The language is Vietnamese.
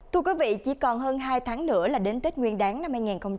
thưa quý vị chỉ còn hơn hai tháng nữa là đến tết nguyên đáng năm hai nghìn hai mươi bốn